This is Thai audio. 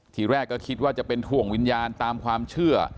ทีแรกก็คิดว่าจะเป็นถ่วงวิญญาณตามความเชื่อ